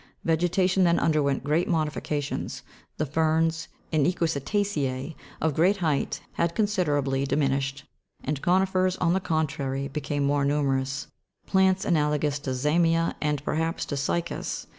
Vegetation then underwent great modifi cations ; the ferns and equisita'cerc of great height had considera bly diminished, and coni'fers, on the contrary, became more numerous : plants analogous to za'mia, and perhaps to cy'cas (Jigs.